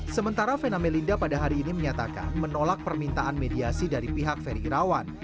sementara vena melinda pada hari ini menyatakan menolak permintaan mediasi dari pihak ferry irawan